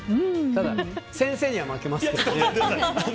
ただ、先生には負けますけどね。